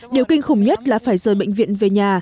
điều kinh khủng nhất là phải rời bệnh viện về nhà